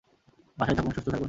বাসায় থাকুন, সুস্থ থাকুন।